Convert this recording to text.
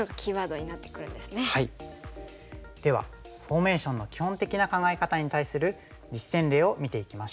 ではフォーメーションの基本的な考え方に対する実戦例を見ていきましょう。